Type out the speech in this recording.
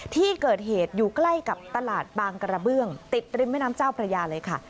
ที่เกิดเหตุอยู่ใกล้กับตลาดบางกระเบื้องติดริมแม่น้ำเจ้าพระยาเลยค่ะ